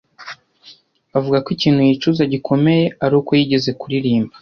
avuga ko ikintu yicuza gikomeye aruko yigeze kuririmba